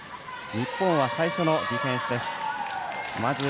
日本は最初のディフェンス。